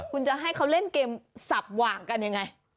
คุณจะให้เขาเล่นเกมสับหว่างกันยังไง